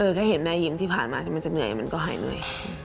ถ้าเห็นแม่ยิ้มที่ผ่านมาก็เหนื่อยมันก็หายเหนื่อย